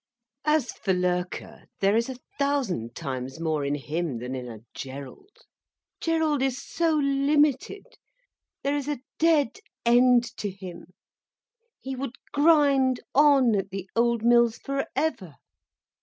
"As for Loerke, there is a thousand times more in him than in a Gerald. Gerald is so limited, there is a dead end to him. He would grind on at the old mills forever.